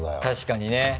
確かにね